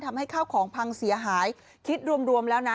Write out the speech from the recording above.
ทำให้ข้าวของพังเสียหายคิดรวมรวมแล้วนะ